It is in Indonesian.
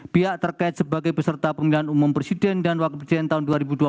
pihak terkait sebagai peserta pemilihan umum presiden dan wakil presiden tahun dua ribu dua puluh